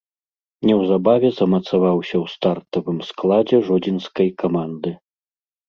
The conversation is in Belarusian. Неўзабаве замацаваўся ў стартавым складзе жодзінскай каманды.